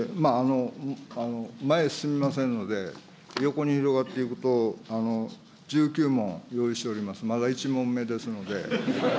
前へ進みませんので、横に広がっていくと１９問用意しております、まだ１問目ですので。